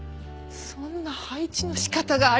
そんな配置の仕方がありますか！